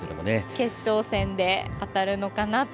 決勝戦で、当たるのかなと。